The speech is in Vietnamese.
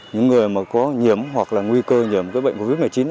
những người mà có nhiễm hoặc là nguy cơ nhiễm bệnh covid một mươi chín